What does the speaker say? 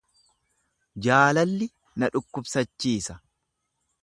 Jaalalli na dhukkubsachiisa.